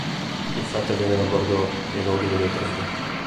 I fatti avvengono a Bordeaux e luoghi limitrofi.